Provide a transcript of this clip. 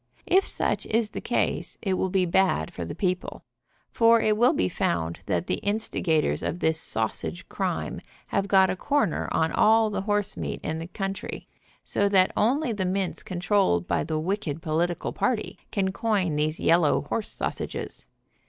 If such is the case it will be bad for the peo ple, for it will be found that the instigators of this sausage crime have got a corner on all the horse meat in the country, so that only the mints controlled by the wicked political party can coin these yellow horse sausages.